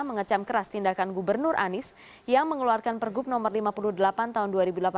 mengecam keras tindakan gubernur anies yang mengeluarkan pergub no lima puluh delapan tahun dua ribu delapan belas